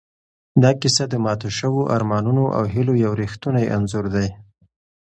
دا کیسه د ماتو شوو ارمانونو او هیلو یو ریښتونی انځور دی.